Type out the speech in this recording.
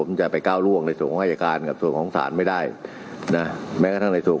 มีศาสตราจารย์พิเศษวิชามหาคุณเป็นประเทศด้านกรวมความวิทยาลัยธรรม